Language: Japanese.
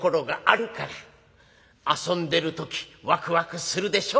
遊んでる時ワクワクするでしょ？